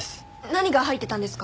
何が入ってたんですか？